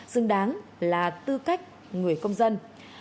xứng đáng là tư cách người công dân